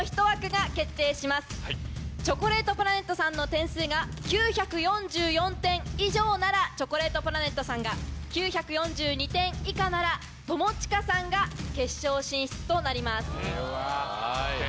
チョコレートプラネットさんの点数が９４４点以上ならチョコレートプラネットさんが９４２点以下なら友近さんが決勝進出となります。